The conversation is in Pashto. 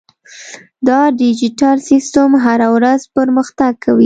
دا ډیجیټل سیستم هره ورځ پرمختګ کوي.